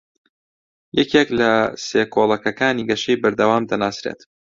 یەکێک لە سێ کۆڵەکەکانی گەشەی بەردەوام دەناسرێت